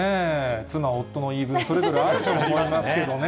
妻、夫の言い分、それぞれあると思いますけどね。